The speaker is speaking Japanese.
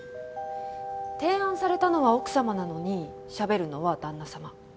提案されたのは奥様なのにしゃべるのは旦那様。